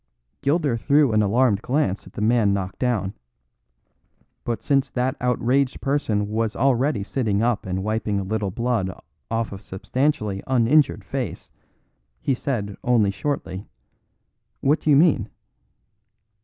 Gilder threw an alarmed glance at the man knocked down; but since that outraged person was already sitting up and wiping a little blood off a substantially uninjured face, he only said shortly: "What do you mean?"